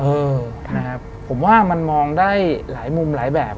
เออนะครับผมว่ามันมองได้หลายมุมหลายแบบ